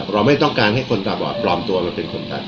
ไม่ต้องการให้คนตาบอดปลอมตัวมาเป็นคนไทย